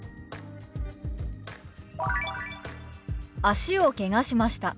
「脚をけがしました」。